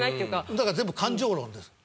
だから全部感情論です。